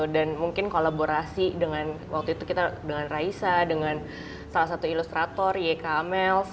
dan mungkin kolaborasi dengan waktu itu kita dengan raisa dengan salah satu ilustrator yk amels